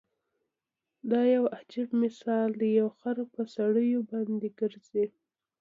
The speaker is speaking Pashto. دا يو عجیب مثال دی او خر په سړیو باندې ګرځي.